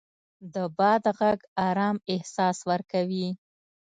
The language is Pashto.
د باد غږ ارام احساس ورکوي